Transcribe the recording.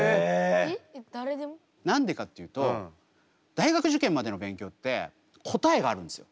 何でかっていうと大学受験までの勉強って答えがあるんですよ。